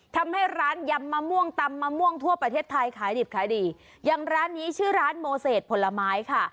ทำให้ร้านยำมะม่วงตำมะม่วงทั่วประเทศไทยขายดิบขายดีอย่างร้านนี้ชื่อร้านโมเศษผลไม้ค่ะ